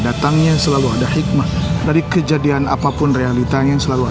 datangnya selalu ada hikmah dari kejadian apapun realitanya selalu